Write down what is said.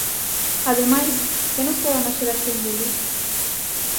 Ademais, que nos queda da xeración deles?